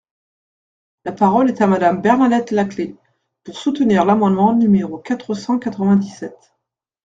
La parole est à Madame Bernadette Laclais, pour soutenir l’amendement numéro quatre cent quatre-vingt-dix-sept.